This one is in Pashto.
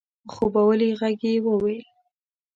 په خوبولي غږ يې وويل؛